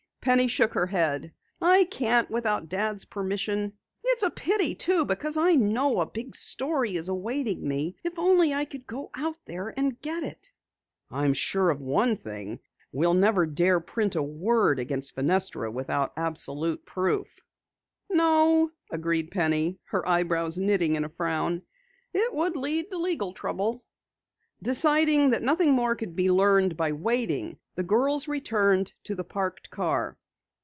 Penny shook her head. "I can't without Dad's permission. It's a pity, too, because I know a big story is awaiting me, if only I could go out there and get it." "I'm sure of one thing. We'll never dare print a word against Fenestra without absolute proof." "No," agreed Penny, her eyebrows knitting in a frown, "it would lead to legal trouble." Deciding that nothing more could be learned by waiting, the girls returned to the parked car.